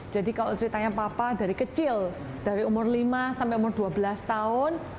jadi kalau ceritanya papa dari kecil dari umur lima sampai umur dua belas tahun